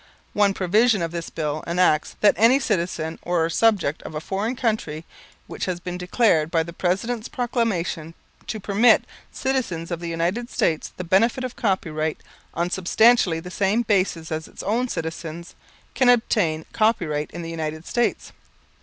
One provision of this Bill enacts, that any citizen or subject of a foreign country, which has been declared by the President's proclamation to permit citizens of the United States the benefit of copyright on substantially the same basis as its own citizens, can obtain copyright in the United States.